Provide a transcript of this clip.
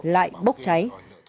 lại bốc cháy